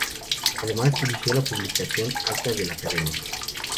Además, dirigió la publicación "Actas de la Academia".